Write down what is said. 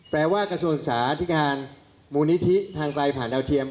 แปลว่ากระทรวงสาธิการมูลนิธิทางไกลผ่านดาวเทียม